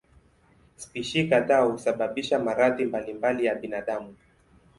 Spishi kadhaa husababisha maradhi mbalimbali ya binadamu.